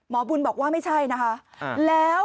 หมอบุญบอกว่าไม่ใช่นะ